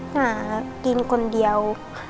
หากินคนเดียว